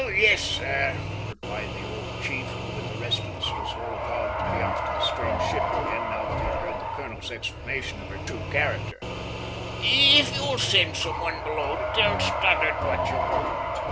"Oh, yes, sir," replied the old chief, who with the rest of us was all agog to be after the strange ship again, now that he had heard the colonel's explanation of her true character, "if you'll send some one below to tell Stoddart what you want.